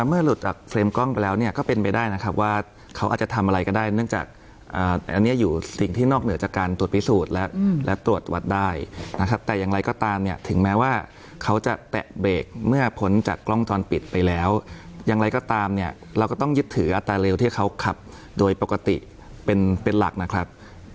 เมื่อหลุดจากเฟรมกล้องไปแล้วเนี่ยก็เป็นไปได้นะครับว่าเขาอาจจะทำอะไรก็ได้เนื่องจากอันนี้อยู่สิ่งที่นอกเหนือจากการตรวจพิสูจน์แล้วและตรวจวัดได้นะครับแต่อย่างไรก็ตามเนี่ยถึงแม้ว่าเขาจะแตะเบรกเมื่อพ้นจากกล้องจรปิดไปแล้วอย่างไรก็ตามเนี่ยเราก็ต้องยึดถืออัตราเร็วที่เขาขับโดยปกติเป็นหลักนะครับ